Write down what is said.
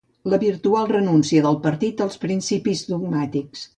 La virtual renúncia del partit als principis dogmàtics.